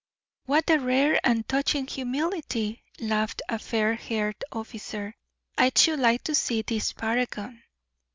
"What rare and touching humility," laughed a fair haired officer. "I should like to see this paragon."